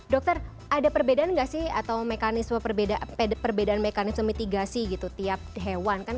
dokter ada perbedaan nggak sih atau mekanisme perbedaan mekanisme mitigasi gitu tiap hewan kan